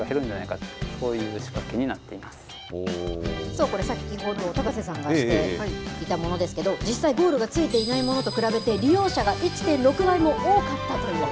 そう、これ先ほど、高瀬さんがしていたものですけど、実際、ゴールがついていないものと比べて利用者が１．６倍も多かったという。